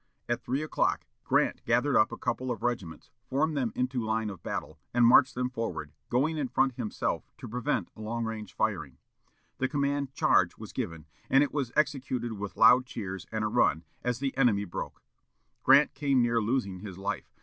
At three o'clock Grant gathered up a couple of regiments, formed them into line of battle, and marched them forward, going in front himself to prevent long range firing. The command "Charge" was given, and it was executed with loud cheers and a run, and the enemy broke. Grant came near losing his life.